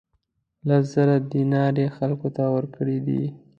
لس زره دینار یې خلکو ته ورکړي دي.